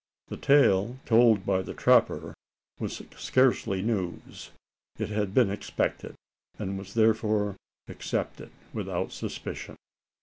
The tale told by the trapper was scarcely news: it had been expected; and was therefore accepted without suspicion.